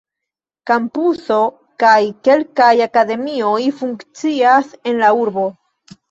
Kampuso kaj kelkaj akademioj funkcias en la urbo.